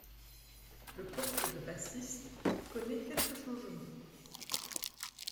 Le poste de bassiste connait quelques changements.